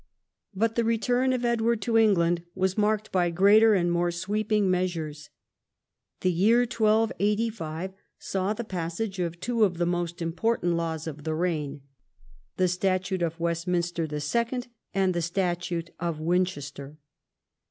But the return of Edward to England was marked by greater and more sweeping measures. The year 1285 saw the passage of two of the most important laws of the reign — the Statute of Westminster the Second and the Statute of Winchester.